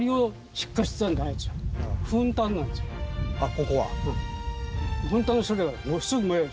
ここは。